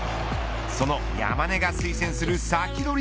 その山根が推薦するサキドリ！